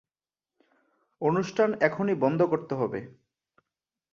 অনুষ্ঠান এখনই বন্ধ করতে হবে।